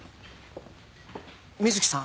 水木さん